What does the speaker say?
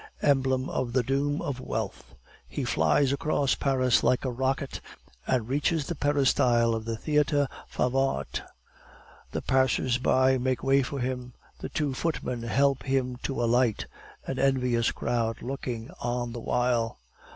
Emblem of the doom of wealth! He flies across Paris like a rocket, and reaches the peristyle of the Theatre Favart. The passers by make way for him; the two footmen help him to alight, an envious crowd looking on the while."